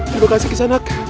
terima kasih kisah nak